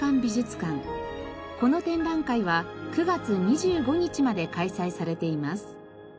この展覧会は９月２５日まで開催されています。